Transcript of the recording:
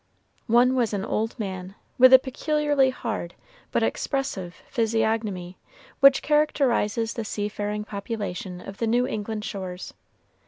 One was an old man, with the peculiarly hard but expressive physiognomy which characterizes the seafaring population of the New England shores.